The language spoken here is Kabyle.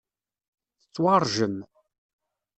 Tettwaṛjem.